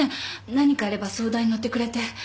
何かあれば相談に乗ってくれて。